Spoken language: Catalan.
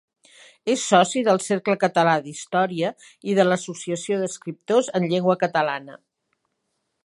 És soci del Cercle Català d’Història i de l’Associació d’Escriptors en Llengua Catalana.